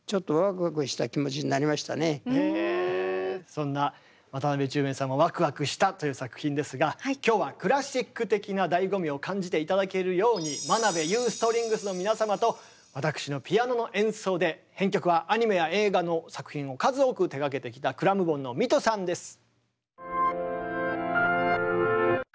そんな渡辺宙明さんもわくわくしたという作品ですが今日はクラシック的な醍醐味を感じて頂けるように真部裕ストリングスの皆様と私のピアノの演奏で編曲はアニメや映画の作品を数多く手がけてきたｃｌａｍｍｂｏｎのミトさんです。